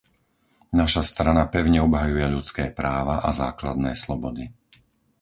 Naša strana pevne obhajuje ľudské práva a základné slobody.